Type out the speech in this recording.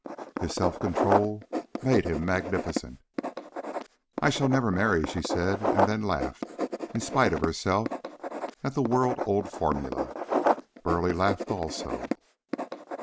His self control made him magnificent. "I never shall marry," she said, and then laughed, in spite of herself, at the world old formula. Burleigh laughed also.